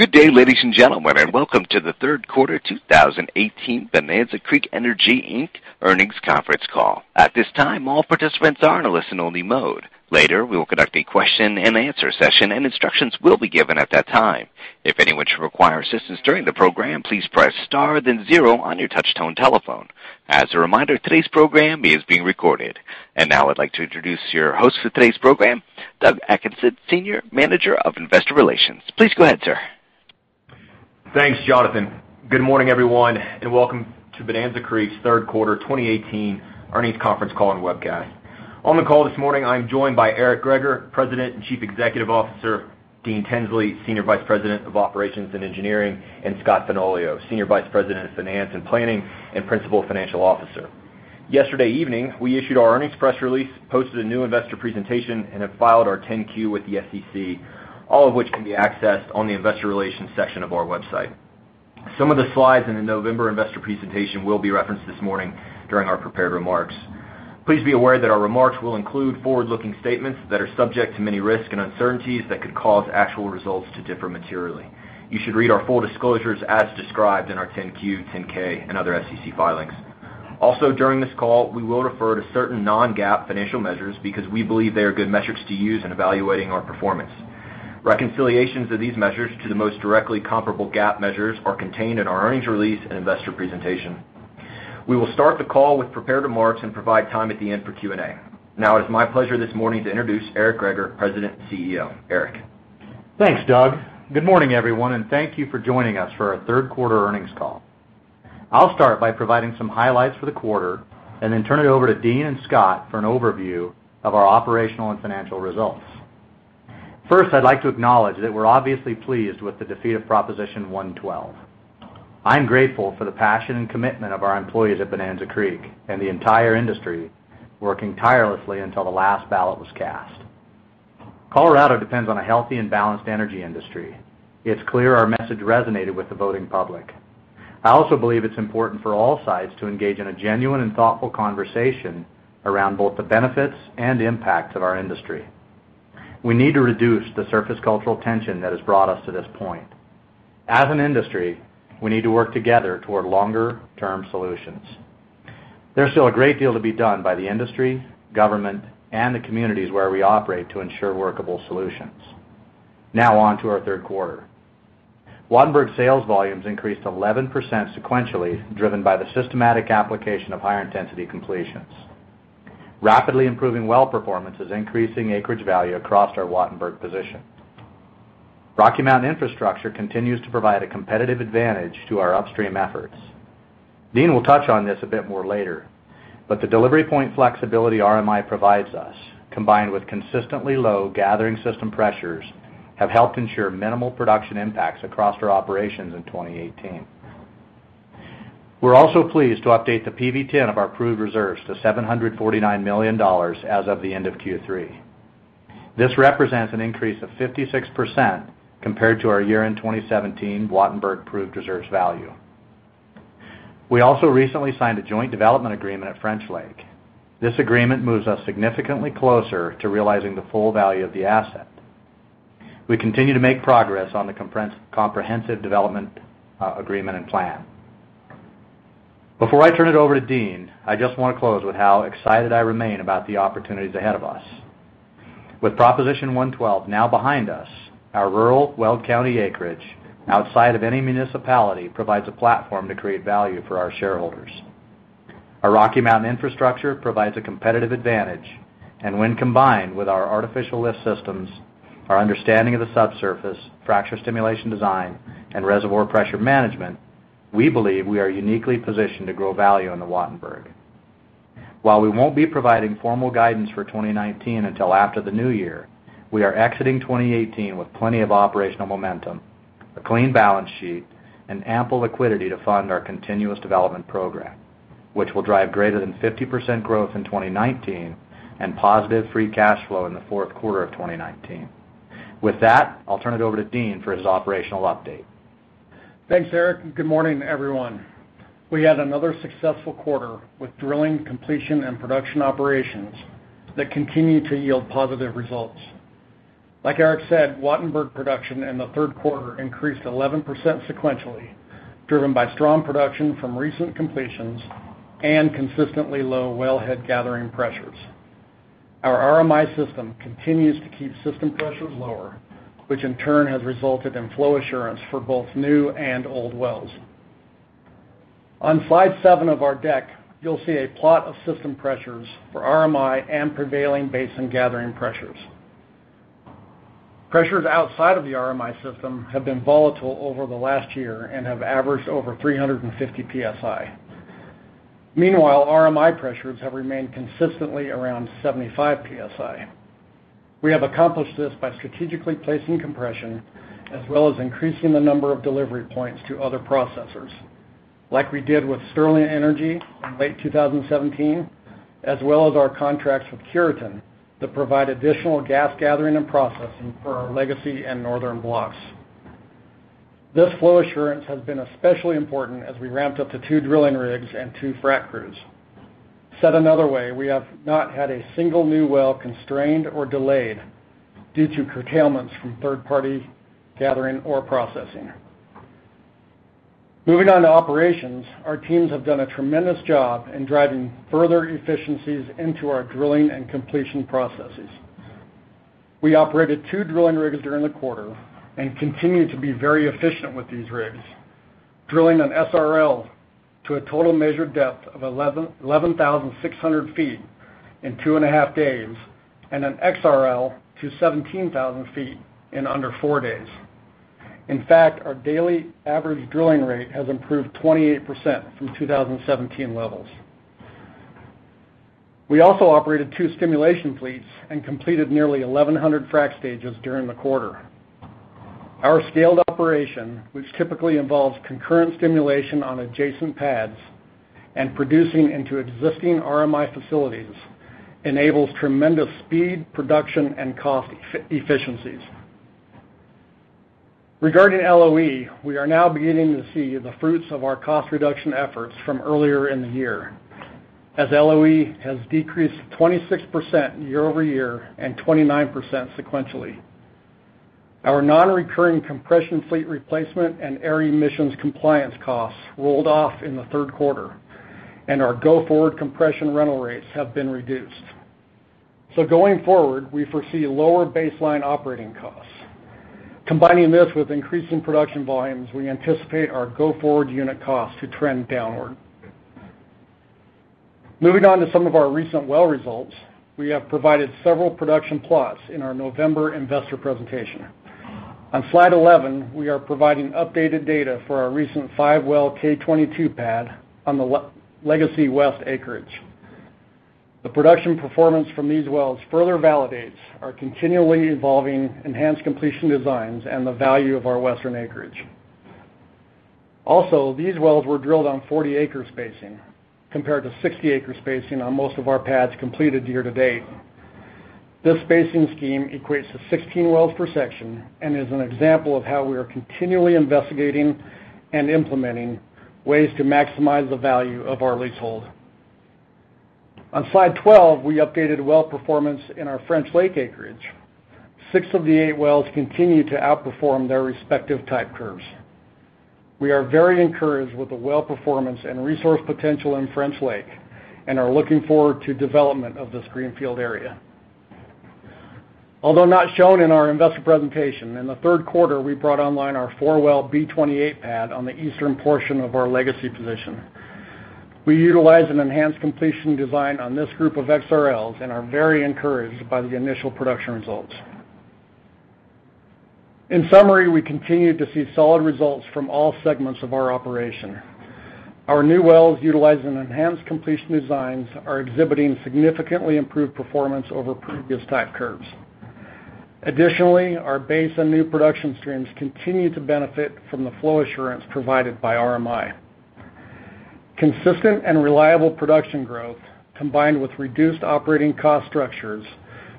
Good day, ladies and gentlemen, and welcome to the third quarter 2018 Bonanza Creek Energy Inc. Earnings Conference Call. At this time, all participants are in a listen-only mode. Later, we will conduct a question-and-answer session and instructions will be given at that time. If anyone should require assistance during the program, please press star then zero on your touch-tone telephone. As a reminder, today's program is being recorded. Now I'd like to introduce your host for today's program, Doug Atkinson, Senior Manager of Investor Relations. Please go ahead, sir. Thanks, Jonathan. Good morning, everyone, and welcome to Bonanza Creek's third quarter 2018 earnings conference call and webcast. On the call this morning, I'm joined by Eric Greager, President and Chief Executive Officer, Dean Tinsley, Senior Vice President of Operations and Engineering, and Scott Fenoglio, Senior Vice President of Finance and Planning and Principal Financial Officer. Yesterday evening, we issued our earnings press release, posted a new investor presentation, and have filed our 10-Q with the SEC, all of which can be accessed on the Investor Relations section of our website. Some of the slides in the November investor presentation will be referenced this morning during our prepared remarks. Please be aware that our remarks will include forward-looking statements that are subject to many risks and uncertainties that could cause actual results to differ materially. You should read our full disclosures as described in our 10-Q, 10-K, and other SEC filings. Also, during this call, we will refer to certain non-GAAP financial measures because we believe they are good metrics to use in evaluating our performance. Reconciliations of these measures to the most directly comparable GAAP measures are contained in our earnings release and investor presentation. We will start the call with prepared remarks and provide time at the end for Q&A. Now, it's my pleasure this morning to introduce Eric Greager, President and CEO. Eric? Thanks, Doug. Good morning, everyone, and thank you for joining us for our third quarter earnings call. I'll start by providing some highlights for the quarter and then turn it over to Dean and Scott for an overview of our operational and financial results. First, I'd like to acknowledge that we're obviously pleased with the defeat of Proposition 112. I'm grateful for the passion and commitment of our employees at Bonanza Creek and the entire industry working tirelessly until the last ballot was cast. Colorado depends on a healthy and balanced energy industry. It's clear our message resonated with the voting public. I also believe it's important for all sides to engage in a genuine and thoughtful conversation around both the benefits and impacts of our industry. We need to reduce the surface cultural tension that has brought us to this point. As an industry, we need to work together toward longer-term solutions. There's still a great deal to be done by the industry, government, and the communities where we operate to ensure workable solutions. On to our third quarter. Wattenberg sales volumes increased 11% sequentially, driven by the systematic application of higher intensity completions. Rapidly improving well performance is increasing acreage value across our Wattenberg position. Rocky Mountain Infrastructure continues to provide a competitive advantage to our upstream efforts. Dean will touch on this a bit more later, but the delivery point flexibility RMI provides us, combined with consistently low gathering system pressures, have helped ensure minimal production impacts across our operations in 2018. We're also pleased to update the PV-10 of our proved reserves to $749 million as of the end of Q3. This represents an increase of 56% compared to our year-end 2017 Wattenberg proved reserves value. We also recently signed a joint development agreement at French Lake. This agreement moves us significantly closer to realizing the full value of the asset. We continue to make progress on the comprehensive development agreement and plan. Before I turn it over to Dean, I just want to close with how excited I remain about the opportunities ahead of us. With Proposition 112 now behind us, our rural Weld County acreage, outside of any municipality, provides a platform to create value for our shareholders. Our Rocky Mountain Infrastructure provides a competitive advantage, and when combined with our artificial lift systems, our understanding of the subsurface, fracture stimulation design, and reservoir pressure management, we believe we are uniquely positioned to grow value in the Wattenberg. While we won't be providing formal guidance for 2019 until after the new year, we are exiting 2018 with plenty of operational momentum, a clean balance sheet, and ample liquidity to fund our continuous development program, which will drive greater than 50% growth in 2019 and positive free cash flow in the fourth quarter of 2019. I'll turn it over to Dean for his operational update. Thanks, Eric, good morning, everyone. We had another successful quarter with drilling, completion, and production operations that continue to yield positive results. Like Eric said, Wattenberg production in the third quarter increased 11% sequentially, driven by strong production from recent completions and consistently low wellhead gathering pressures. Our RMI system continues to keep system pressures lower, which in turn has resulted in flow assurance for both new and old wells. On slide seven of our deck, you'll see a plot of system pressures for RMI and prevailing basin gathering pressures. Pressures outside of the RMI system have been volatile over the last year and have averaged over 350 psi. Meanwhile, RMI pressures have remained consistently around 75 psi. We have accomplished this by strategically placing compression as well as increasing the number of delivery points to other processors, like we did with Sterling Energy in late 2017, as well as our contracts with Kirton that provide additional gas gathering and processing for our legacy and northern blocks. This flow assurance has been especially important as we ramped up to two drilling rigs and two frack crews. Said another way, we have not had a single new well constrained or delayed due to curtailments from third-party gathering or processing. Moving on to operations, our teams have done a tremendous job in driving further efficiencies into our drilling and completion processes. We operated two drilling rigs during the quarter and continue to be very efficient with these rigs, drilling an SRL to a total measured depth of 11,600 ft in two and a half days, and an XRL to 17,000 ft in under four days. In fact, our daily average drilling rate has improved 28% from 2017 levels. We also operated two stimulation fleets and completed nearly 1,100 frac stages during the quarter. Our scaled operation, which typically involves concurrent stimulation on adjacent pads and producing into existing RMI facilities, enables tremendous speed, production, and cost efficiencies. Regarding LOE, we are now beginning to see the fruits of our cost reduction efforts from earlier in the year, as LOE has decreased 26% year over year and 29% sequentially. Our non-recurring compression fleet replacement and air emissions compliance costs rolled off in the third quarter, and our go-forward compression rental rates have been reduced. Going forward, we foresee lower baseline operating costs. Combining this with increasing production volumes, we anticipate our go-forward unit costs to trend downward. Moving on to some of our recent well results, we have provided several production plots in our November investor presentation. On slide 11, we are providing updated data for our recent five-well K22 pad on the legacy west acreage. The production performance from these wells further validates our continually evolving enhanced completion designs and the value of our western acreage. Also, these wells were drilled on 40-acre spacing, compared to 60-acre spacing on most of our pads completed year to date. This spacing scheme equates to 16 wells per section and is an example of how we are continually investigating and implementing ways to maximize the value of our leasehold. On slide 12, we updated well performance in our French Lake acreage. Six of the eight wells continue to outperform their respective type curves. We are very encouraged with the well performance and resource potential in French Lake and are looking forward to development of this greenfield area. Although not shown in our investor presentation, in the third quarter, we brought online our four-well B28 pad on the eastern portion of our legacy position. We utilized an enhanced completion design on this group of XRLs and are very encouraged by the initial production results. In summary, we continue to see solid results from all segments of our operation. Our new wells utilizing enhanced completion designs are exhibiting significantly improved performance over previous type curves. Additionally, our base and new production streams continue to benefit from the flow assurance provided by RMI. Consistent and reliable production growth, combined with reduced operating cost structures,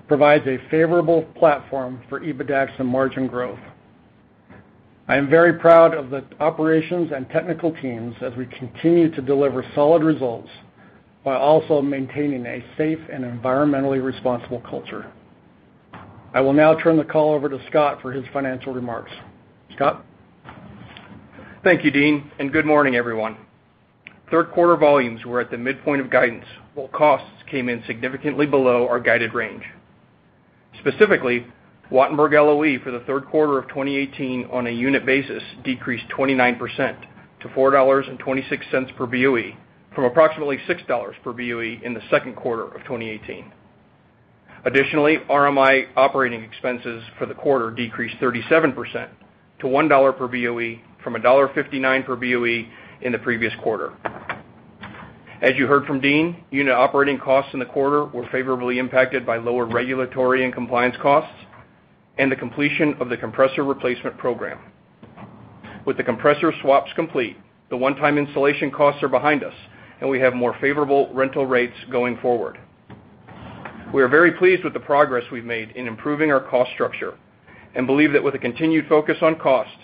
provides a favorable platform for EBITDAX and margin growth. I am very proud of the operations and technical teams as we continue to deliver solid results while also maintaining a safe and environmentally responsible culture. I will now turn the call over to Scott for his financial remarks. Scott? Thank you, Dean, and good morning, everyone. Third quarter volumes were at the midpoint of guidance while costs came in significantly below our guided range. Specifically, Wattenberg LOE for the third quarter of 2018 on a unit basis decreased 29% to $4.26 per BOE from approximately $6 per BOE in the second quarter of 2018. Additionally, RMI operating expenses for the quarter decreased 37% to $1 per BOE from $1.59 per BOE in the previous quarter. As you heard from Dean, unit operating costs in the quarter were favorably impacted by lower regulatory and compliance costs and the completion of the compressor replacement program. With the compressor swaps complete, the one-time installation costs are behind us, and we have more favorable rental rates going forward. We are very pleased with the progress we've made in improving our cost structure and believe that with a continued focus on cost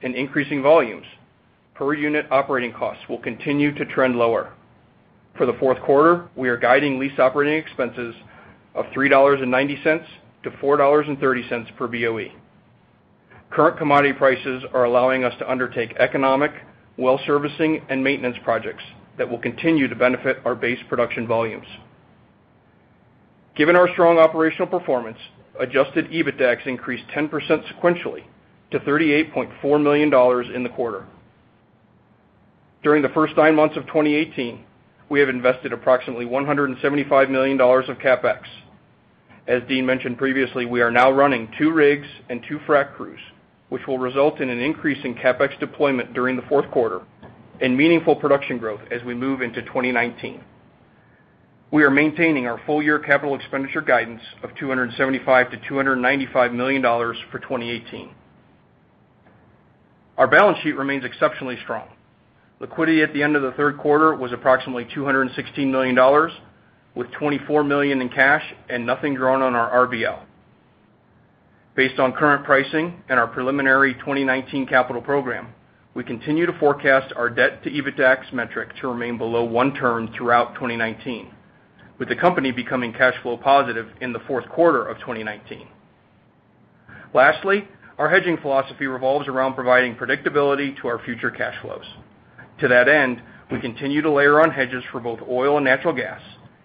and increasing volumes, per-unit operating costs will continue to trend lower. For the fourth quarter, we are guiding lease operating expenses of $3.90-$4.30 per BOE. Current commodity prices are allowing us to undertake economic, well servicing, and maintenance projects that will continue to benefit our base production volumes. Given our strong operational performance, adjusted EBITDAX increased 10% sequentially to $38.4 million in the quarter. During the first nine months of 2018, we have invested approximately $175 million of CapEx. As Dean mentioned previously, we are now running two rigs and two frac crews, which will result in an increase in CapEx deployment during the fourth quarter and meaningful production growth as we move into 2019. We are maintaining our full-year capital expenditure guidance of $275 million-$295 million for 2018. Our balance sheet remains exceptionally strong. Liquidity at the end of the third quarter was approximately $216 million, with $24 million in cash and nothing drawn on our RBL. Based on current pricing and our preliminary 2019 capital program, we continue to forecast our debt to EBITDAX metric to remain below one term throughout 2019, with the company becoming cash flow positive in the fourth quarter of 2019. Lastly, our hedging philosophy revolves around providing predictability to our future cash flows. To that end, we continue to layer on hedges for both oil and natural gas,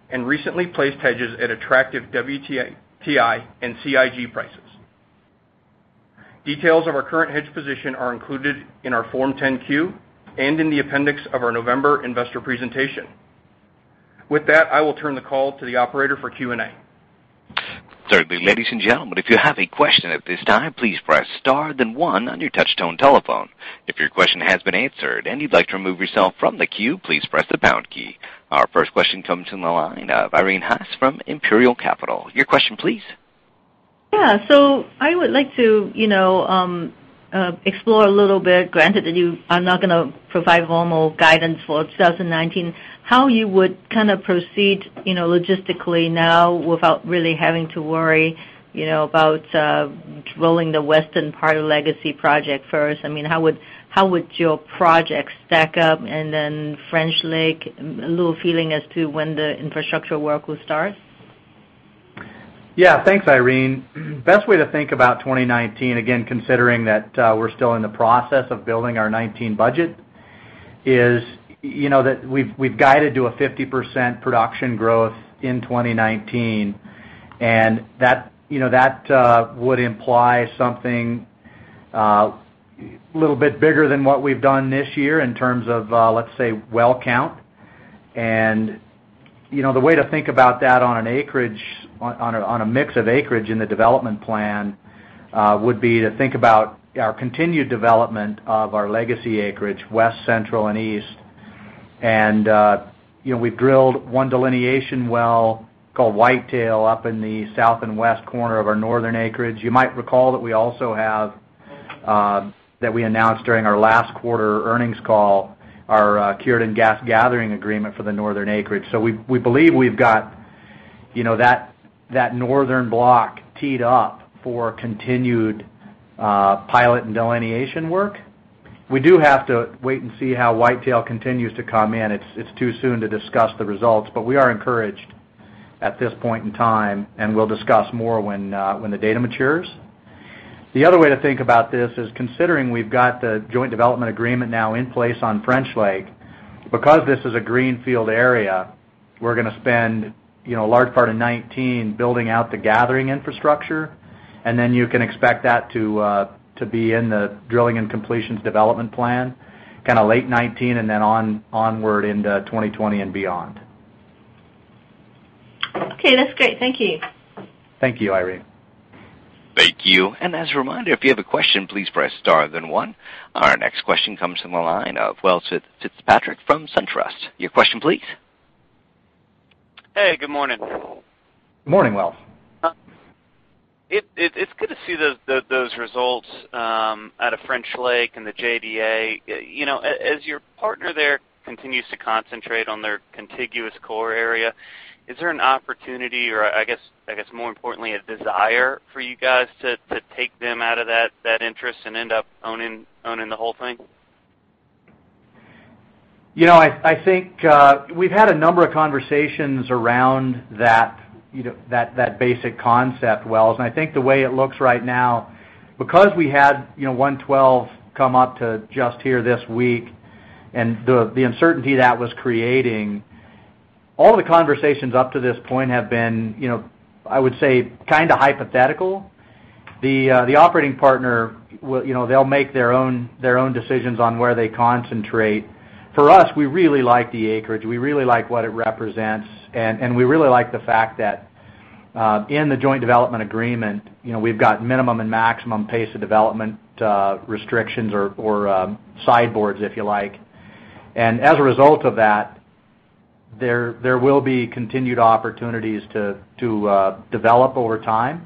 and recently placed hedges at attractive WTI and CIG prices. Details of our current hedge position are included in our Form 10-Q and in the appendix of our November investor presentation. With that, I will turn the call to the operator for Q&A. Certainly. Ladies and gentlemen, if you have a question at this time, please press star then one on your touch tone telephone. If your question has been answered and you'd like to remove yourself from the queue, please press the pound key. Our first question comes from the line of Irene Hass from Imperial Capital. Your question, please. I would like to explore a little bit, granted that you are not going to provide formal guidance for 2019, how you would proceed logistically now without really having to worry about drilling the western part of Legacy project first. How would your project stack up, and then French Lake, a little feeling as to when the infrastructure work will start? Thanks, Irene. Best way to think about 2019, again, considering that we're still in the process of building our 2019 budget, is that we've guided to a 50% production growth in 2019. That would imply something a little bit bigger than what we've done this year in terms of, let's say, well count. The way to think about that on a mix of acreage in the development plan would be to think about our continued development of our Legacy acreage, West, Central, and East. We've drilled one delineation well called Whitetail up in the south and west corner of our Northern acreage. You might recall that we announced during our last quarter earnings call our Sterling gas gathering agreement for the Northern acreage. We believe we've got that Northern block teed up for continued pilot and delineation work. We do have to wait and see how Whitetail continues to come in. It's too soon to discuss the results, but we are encouraged at this point in time. We'll discuss more when the data matures. The other way to think about this is considering we've got the joint development agreement now in place on French Lake. This is a greenfield area, we're going to spend a large part of 2019 building out the gathering infrastructure, and then you can expect that to be in the drilling and completions development plan late 2019, and then onward into 2020 and beyond. Okay. That's great. Thank you. Thank you, Irene. Thank you. As a reminder, if you have a question, please press star then one. Our next question comes from the line of Welles Fitzpatrick from SunTrust. Your question please. Hey, good morning. Morning, Welles. It's good to see those results out of French Lake and the JDA. As your partner there continues to concentrate on their contiguous core area, is there an opportunity or, I guess more importantly, a desire for you guys to take them out of that interest and end up owning the whole thing? I think we've had a number of conversations around that basic concept, Welles, and I think the way it looks right now, because we had 112 come up to just here this week, and the uncertainty that was creating, all the conversations up to this point have been, I would say, hypothetical. The operating partner will make their own decisions on where they concentrate. For us, we really like the acreage. We really like what it represents, and we really like the fact that in the joint development agreement, we've got minimum and maximum pace of development restrictions or sideboards, if you like. As a result of that, there will be continued opportunities to develop over time.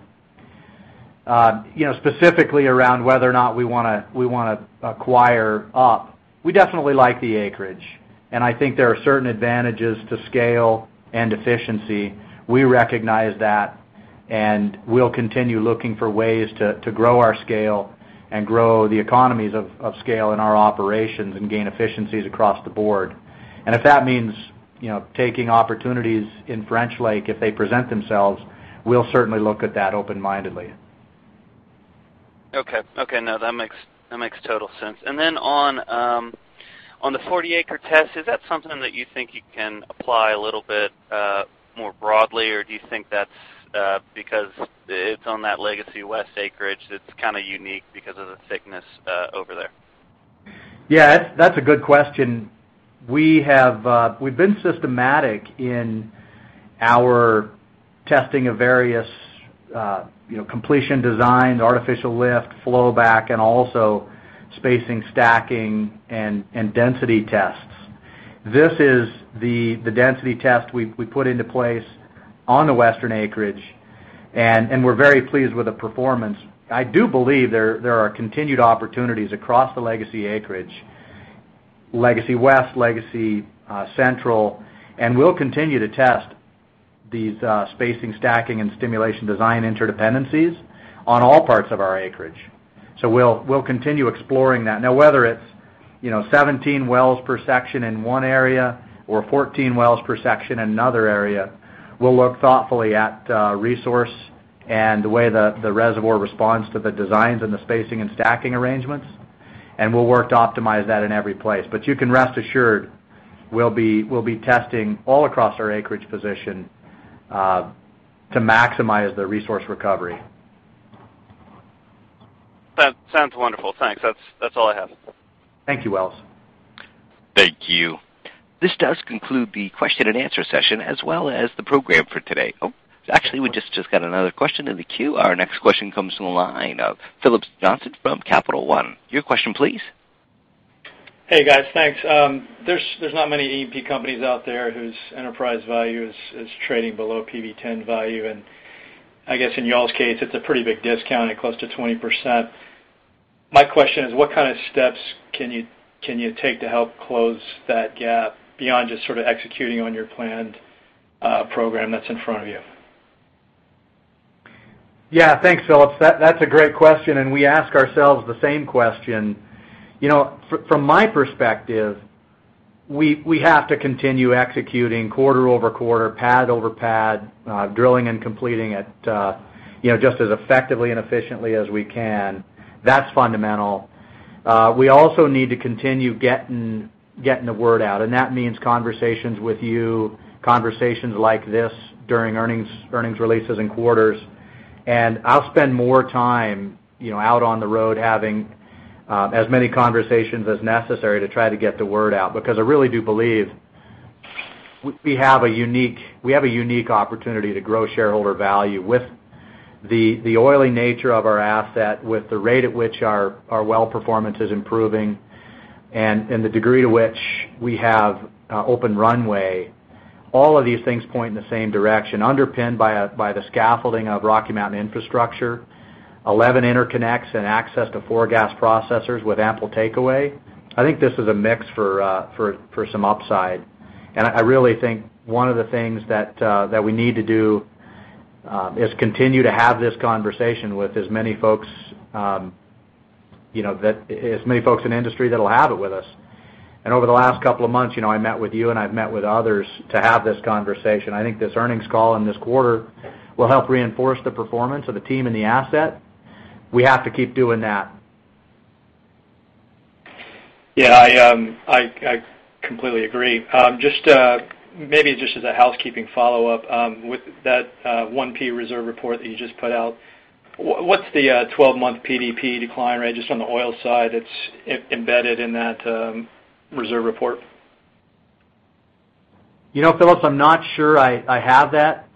Specifically around whether or not we want to acquire up, we definitely like the acreage, and I think there are certain advantages to scale and efficiency. We recognize that, we'll continue looking for ways to grow our scale and grow the economies of scale in our operations and gain efficiencies across the board. If that means taking opportunities in French Lake, if they present themselves, we'll certainly look at that open-mindedly. Okay. Now, that makes total sense. Then on the 40-acre test, is that something that you think you can apply a little bit more broadly, or do you think that's because it's on that Legacy West acreage that's unique because of the thickness over there? That's a good question. We've been systematic in our testing of various completion designs, artificial lift, flow back, and also spacing, stacking, and density tests. This is the density test we put into place on the Western acreage, we're very pleased with the performance. I do believe there are continued opportunities across the Legacy acreage. Legacy West, Legacy Central. We'll continue to test these spacing, stacking, and stimulation design interdependencies on all parts of our acreage. We'll continue exploring that. Now, whether it's 17 wells per section in one area or 14 wells per section in another area, we'll look thoughtfully at resource and the way the reservoir responds to the designs and the spacing and stacking arrangements, we'll work to optimize that in every place. You can rest assured we'll be testing all across our acreage position to maximize the resource recovery. Sounds wonderful. Thanks. That's all I have. Thank you, Welles. Thank you. This does conclude the question-and-answer session as well as the program for today. Oh, actually, we just got another question in the queue. Our next question comes from the line of Phillips Johnson from Capital One. Your question, please. Hey, guys. Thanks. There's not many E&P companies out there whose enterprise value is trading below PV-10 value, and I guess in y'all's case, it's a pretty big discount at close to 20%. My question is, what kind of steps can you take to help close that gap beyond just sort of executing on your planned program that's in front of you? Yeah. Thanks, Phillips. That's a great question, and we ask ourselves the same question. From my perspective, we have to continue executing quarter over quarter, pad over pad, drilling and completing at just as effectively and efficiently as we can. That's fundamental. We also need to continue getting the word out, and that means conversations with you, conversations like this during earnings releases and quarters. I'll spend more time out on the road having as many conversations as necessary to try to get the word out because I really do believe we have a unique opportunity to grow shareholder value with the oily nature of our asset, with the rate at which our well performance is improving, and the degree to which we have open runway. All of these things point in the same direction, underpinned by the scaffolding of Rocky Mountain Infrastructure, 11 interconnects, and access to four gas processors with ample takeaway. I think this is a mix for some upside. I really think one of the things that we need to do is continue to have this conversation with as many folks in the industry that'll have it with us. Over the last couple of months, I met with you and I've met with others to have this conversation. I think this earnings call and this quarter will help reinforce the performance of the team and the asset. We have to keep doing that. Yeah. I completely agree. Maybe just as a housekeeping follow-up with that 1P reserve report that you just put out. What's the 12-month PDP decline rate just on the oil side that's embedded in that reserve report? Phillips, I'm not sure I have that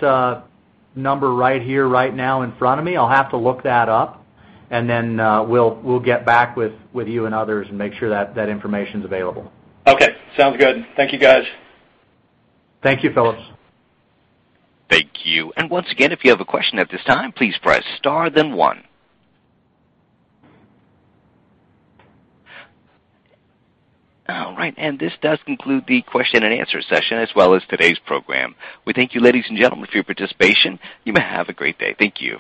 number right here, right now in front of me. I'll have to look that up, and then we'll get back with you and others and make sure that information's available. Okay, sounds good. Thank you, guys. Thank you, Phillips. Thank you. Once again, if you have a question at this time, please press star, then one. All right. This does conclude the question-and-answer session as well as today's program. We thank you, ladies and gentlemen, for your participation. You may have a great day. Thank you.